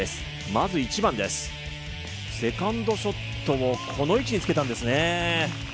まず１番です、セカンドショットをこの位置につけたんですね。